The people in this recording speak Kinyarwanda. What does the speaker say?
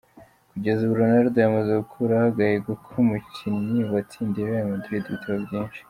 Kugeza ubu Ronaldo yamaze gukuraho agahigo k’umukinnyi watsindiye Real Madrid ibitego byinshi.